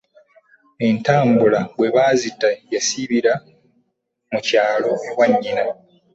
entambula bwe baazita yasibira mu kyalo ewa nnyina.